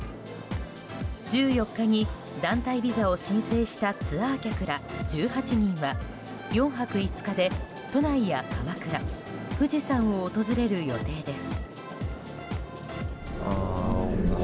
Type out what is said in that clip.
１４日に、団体ビザを申請したツアー客ら１８人は４泊５日で、都内や鎌倉富士山を訪れる予定です。